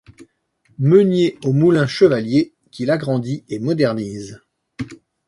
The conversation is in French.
Meunier au Moulin Chevalier qu'il agrandit et modernise.